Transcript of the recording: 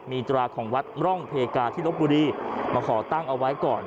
มีตราของวัดร่องเพกาที่ลบบุรีมาขอตั้งเอาไว้ก่อน